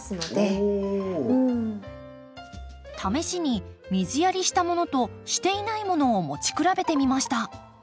試しに水やりしたものとしていないものを持ち比べてみました。